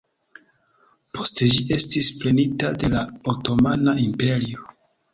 Poste ĝi estis prenita de la Otomana Imperio.